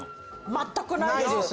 全くないです。